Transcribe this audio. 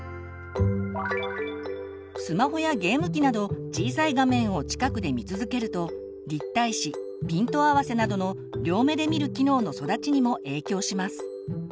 スマホやゲーム機など小さい画面を近くで見続けると立体視ピント合わせなどの両目で見る機能の育ちにも影響します。